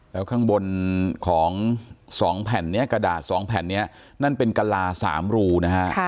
แล้วข้างบนของสองแผ่นนี้กระดาษสองแผ่นนี้นั่นเป็นกระลาสามรูนะคะค่ะ